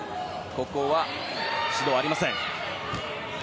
ここは指導はありません。